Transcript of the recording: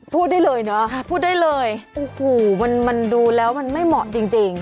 พูดได้เลยเนอะพูดได้เลยโอ้โหมันดูแล้วมันไม่เหมาะจริง